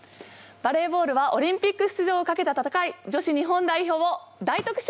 バレーボールはオリンピック出場をかけた戦い女子日本代表を大特集！